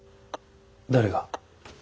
誰が？